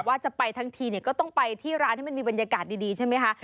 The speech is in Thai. ว่าจะไปทั้งทีเนี่ยก็ต้องไปที่ร้านให้มันมีบรรยากาศดีใช่ไหมคะ